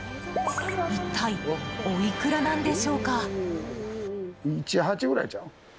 一体、おいくらなんでしょうか？